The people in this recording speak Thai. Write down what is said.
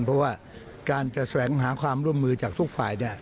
เพราะว่าการจะแสวงหาความร่วมมือจากทุกฝ่าย